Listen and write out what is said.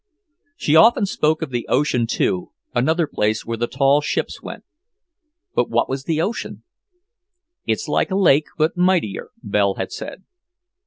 She often spoke of "the ocean," too, another place where the tall ships went. But what was the ocean? "It's like a lake, but mightier," Belle had said.